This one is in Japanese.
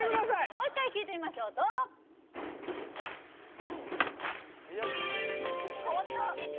もう一回聴いてみましょうどうぞ・変わった・